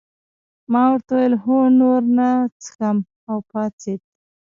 ما ورته وویل هو نور نه څښم او پاڅېد.